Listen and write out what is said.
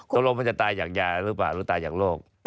ตกลงมันจะตายจากยาหรือเปล่าหรือตายจากโรค